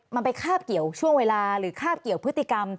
มันไปคาบเกี่ยวช่วงเวลาหรือคาบเกี่ยวพฤติกรรม